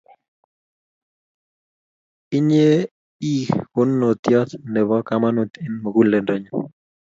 Inye ii kanunotiot nebo kamanut eng muguleldonyu